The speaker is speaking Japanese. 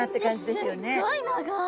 すっごい長い。